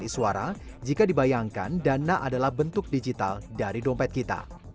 menurut ceo dana vincent iswara jika dibayangkan dana adalah bentuk digital dari dompet kita